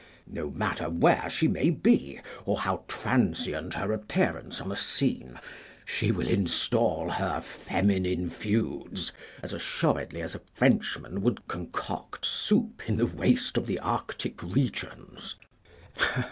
No matter where she may be, or how transient her appearance on a scene, she will instal her feminine feuds as assuredly as a Frenchman would concoct soup in the waste of the Arctic regions.